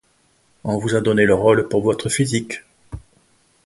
On vous a donné le rôle pour votre physique.